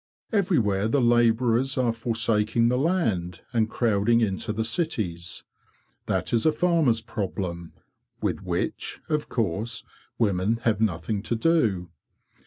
Everywhere the labourers are forsaking the land and crowding into the cities. That is a farmers' problem, with which, of course, women have nothing to do.